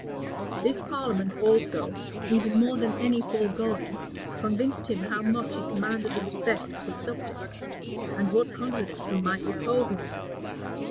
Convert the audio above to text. This parliament also, even more than any foregoing, convinced him how much he commanded the respect of his subjects, and what confidence he might repose in them.